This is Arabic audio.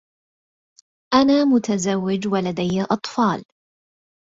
أنا متزوج و لديّ أطفال.